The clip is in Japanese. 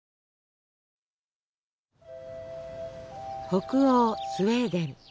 北欧スウェーデン。